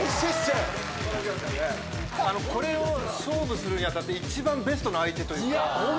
これを勝負するに当たって一番ベストな相手というか。